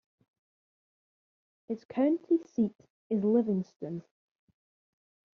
Its county seat is Livingston.